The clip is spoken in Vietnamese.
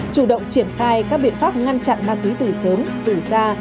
chủ động triển khai các biện pháp ngăn chặn ma túy từ sớm từ xa